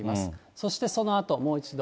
そしてそのあともう一度。